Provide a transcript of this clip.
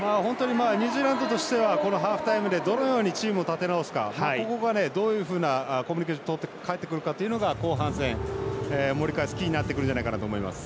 ニュージーランドとしてはこのハーフタイムでどのようにチームを立て直すか、ここでどのようなコミュニケーションをとって帰ってくるかが後半戦、盛り返すキーになってくると思います。